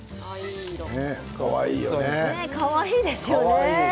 かわいいですね。